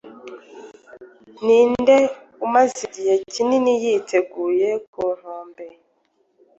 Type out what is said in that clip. Ninde umaze igihe kininiyiteguye ku nkombe